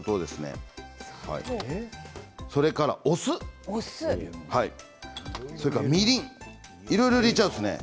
それからお酢、みりんいろいろ入れちゃうんですね。